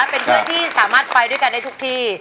เป็นเพื่อนที่สามารถไปด้วยกันได้ทุกที่